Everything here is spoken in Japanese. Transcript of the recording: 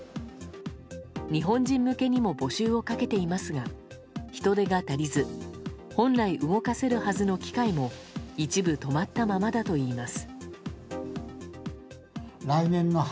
日本人向けにも募集をかけていますが人手が足りず本来動かせるはずの機械も一部止まったままだといいます。